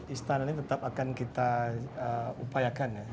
istana ini tetap akan kita upayakan ya